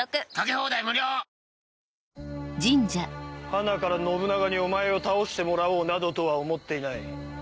はなから信長にお前を倒してもらおうなどとは思っていない。